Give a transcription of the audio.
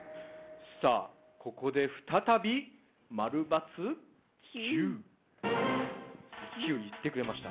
さあここで再び「Ｑ」言ってくれました。